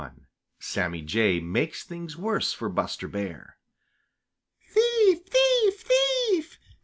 XXI SAMMY JAY MAKES THINGS WORSE FOR BUSTER BEAR "Thief, thief, thief!